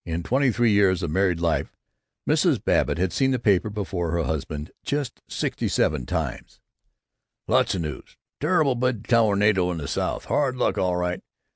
In twenty three years of married life, Mrs. Babbitt had seen the paper before her husband just sixty seven times. "Lots of news. Terrible big tornado in the South. Hard luck, all right.